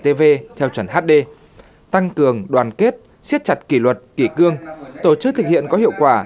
trần hd tăng cường đoàn kết siết chặt kỷ luật kỷ cương tổ chức thực hiện có hiệu quả